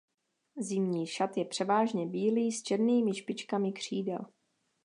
Zimní šat je převážně bílý s černými špičkami křídel.